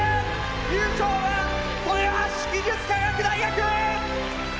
優勝は豊橋技術科学大学！